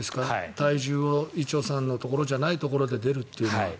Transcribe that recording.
体重を、伊調さんのところじゃないところで出るというのは。